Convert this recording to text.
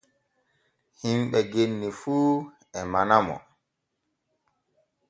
Himɓe genni fu e manamo.